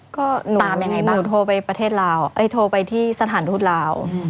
ก็หนูโทรไปประเทศลาวโทรไปที่สถานทูตลาว